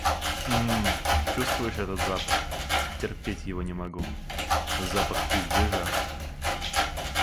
М-м-м, чувствуешь этот запах? Терпеть его не могу. Запах пиздежа.